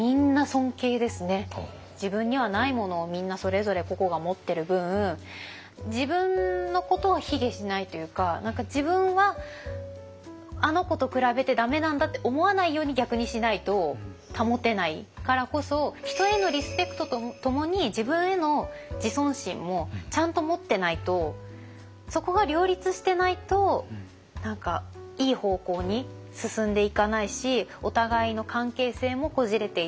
自分にはないものをみんなそれぞれ個々が持ってる分自分のことを卑下しないというか何か自分はあの子と比べて駄目なんだって思わないように逆にしないと保てないからこそ人へのリスペクトとともに自分への自尊心もちゃんと持ってないとそこが両立してないと何かいい方向に進んでいかないしお互いの関係性もこじれていっちゃう。